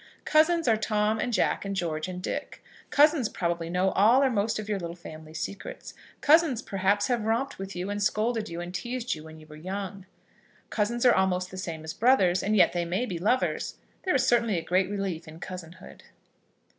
Cousins are Tom, and Jack, and George, and Dick. Cousins probably know all or most of your little family secrets. Cousins, perhaps, have romped with you, and scolded you, and teased you, when you were young. Cousins are almost the same as brothers, and yet they may be lovers. There is certainly a great relief in cousinhood.